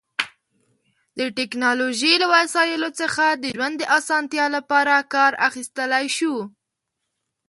د ټیکنالوژی له وسایلو څخه د ژوند د اسانتیا لپاره کار اخیستلی شو